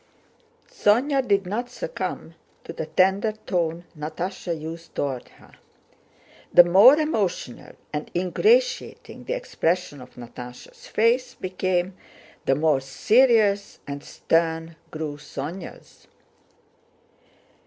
Sónya did not succumb to the tender tone Natásha used toward her. The more emotional and ingratiating the expression of Natásha's face became, the more serious and stern grew Sónya's.